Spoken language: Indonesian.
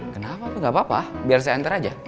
kenapa kok gak apa apa biar saya enter aja